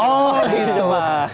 oh gitu pak